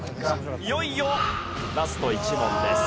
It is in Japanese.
いよいよラスト１問です。